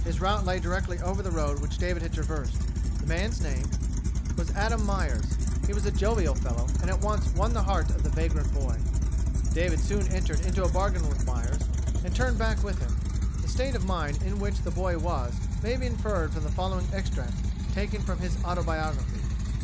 His route lay directly over the road which David had traversed. The man's name was Adam Myers. He was a jovial fellow, and at once won the heart of the vagrant boy. David soon entered into a bargain with Myers, and turned back with him. The state of mind in which the boy was may be inferred from the following extract taken from his autobiography.